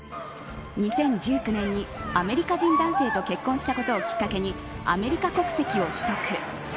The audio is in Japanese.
２０１９年にアメリカ人男性と結婚したことをきっかけにアメリカ国籍を取得。